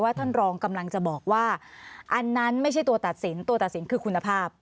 ท่านรองกำลังจะบอกว่าอันนั้นไม่ใช่ตัวตัดสินตัวตัดสินคือคุณภาพ